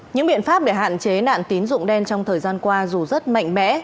những biện pháp để hạn chế nạn tín dụng đen trong thời gian qua dù rất mạnh mẽ